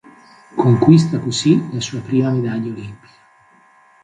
Conquista così la sua prima medaglia olimpica.